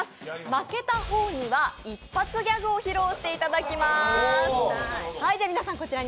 負けた方には一発ギャグを披露していただきます。